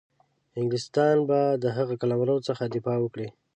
انګلیسیان به د هغه قلمرو څخه دفاع وکړي.